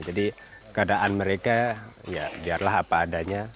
jadi keadaan mereka ya biarlah apa adanya